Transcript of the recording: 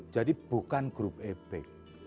jadi bukan grup ebek